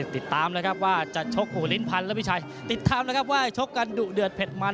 ติดตามเลยครับว่าจะชกหูลิ้นพันธ์และพี่ชัยติดตามนะครับว่าชกกันดุเดือดเผ็ดมัน